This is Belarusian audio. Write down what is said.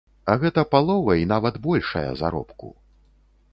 А гэта палова і нават большая заробку.